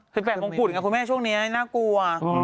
คิดแปลงของกุ่นอ่ะคุณแม่ช่วงนี้น่ากลัว